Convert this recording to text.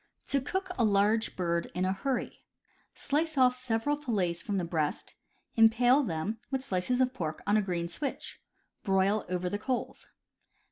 To Cook a Large Bird iii a Hurry. — Slice off several fillets from the breast; impale them, with slices of pork, on a green switch; broil over the coals.